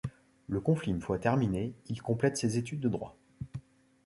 Le conflit une fois terminé, il complète ses études de droit.